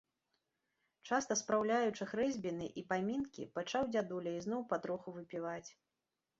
Часта спраўляючы хрэсьбіны і памінкі, пачаў дзядуля ізноў патроху выпіваць.